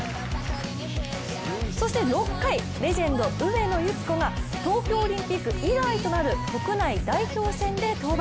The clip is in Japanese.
そして６回、レジェンド・上野由岐子が東京オリンピック以来となる国内代表戦で登板。